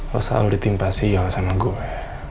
lo selalu ditimpa sial sama gue